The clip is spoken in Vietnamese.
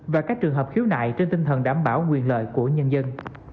và các trường hợp khiếu nại trên tinh thần đảm bảo quyền lợi của nhân dân